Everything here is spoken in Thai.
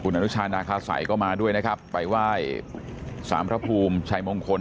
อนุชานาคาสัยก็มาด้วยนะครับไปไหว้สารพระภูมิชัยมงคล